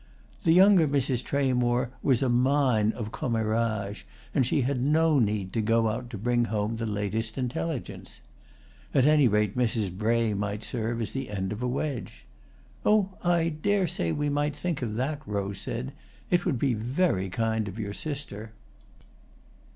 The younger Mrs. Tramore was a mine of commérages, and she had no need to go out to bring home the latest intelligence. At any rate Mrs. Bray might serve as the end of a wedge. "Oh, I dare say we might think of that," Rose said. "It would be very kind of your sister."